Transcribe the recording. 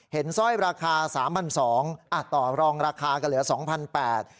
เห็นสร้อยราคา๓๒๐๐บาทต่อรองราคาก็เหลือ๒๘๐๐บาท